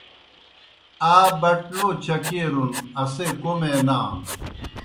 آ بٹ لو چکیرُن اسے کوْمے نانوْ۔